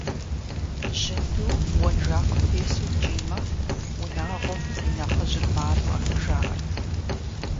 Жьынду уэнжакъым тесу кӀиймэ, унагъуэм и нэхъыжьыр малӀэ, жаӀэрт.